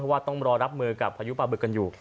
ว่าต้องรอรับมือกับพายุปลาบึกกันอยู่